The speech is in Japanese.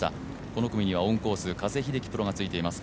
この組にはオンコース、加瀬秀樹プロがついています。